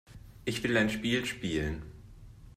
Ich will ein Spiel spielen.